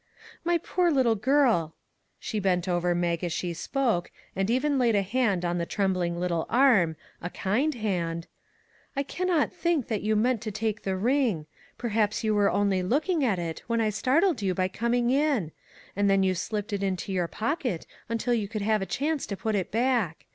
My poor little girl " she bent over Mag as she spoke, and even laid a hand on the trembling little arm a kind hand " I can not think that you meant to take the ring ; perhaps you were only looking at it when I startled you by coming in ; and then you slipped it into your pocket until you could have a chance to put it back.